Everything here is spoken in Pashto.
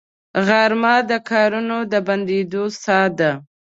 غرمه د کارونو د بندېدو ساه ده